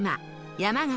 山形